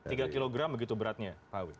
tiga kg begitu beratnya pak awi